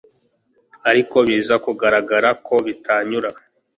ariko biza kugaragara ko bitanyura